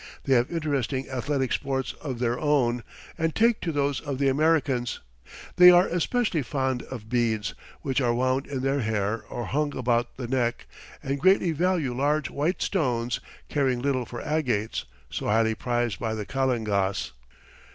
They have interesting athletic sports of their own and take to those of the Americans. They are especially fond of beads, which are wound in their hair or hung about the neck, and greatly value large white stones, caring little for agates, so highly prized by the Kalingas.